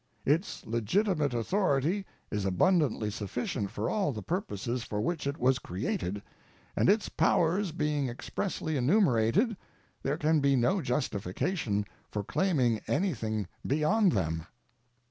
Its legitimate authority is abundantly sufficient for all the purposes for which it was created, and its powers being expressly enumerated, there can be no justification for claiming anything beyond them.